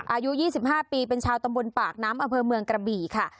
อายุ๒๕ปีเป็นชาวตำบลปากน้ำอำเภอเมืองกระบี่ค่ะ